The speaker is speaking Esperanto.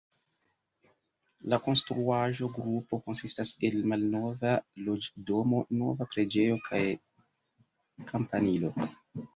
La konstruaĵo-grupo konsistas el malnova loĝdomo, nova preĝejo kaj kampanilo.